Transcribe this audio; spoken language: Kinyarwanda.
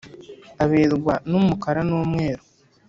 Aberwa numukara n’umweru